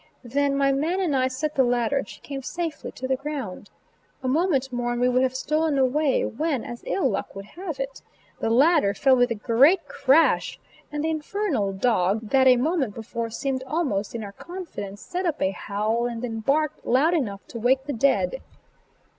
Then my man and I set the ladder and she came safely to the ground. A moment more and we would have stolen away, when, as ill luck would have it, the ladder fell with a great crash, and the infernal dog, that a moment before seemed almost in our confidence, set up a howl and then barked loud enough to wake the dead.